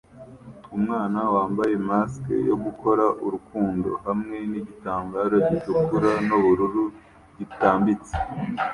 Umwana wambaye mask yo gukora urukundo hamwe nigitambaro gitukura nubururu gitambitse